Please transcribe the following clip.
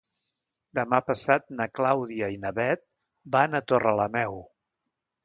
Demà passat na Clàudia i na Bet van a Torrelameu.